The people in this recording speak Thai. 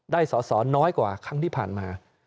ได้สอสอน้อยกว่าครั้งที่ผ่านมา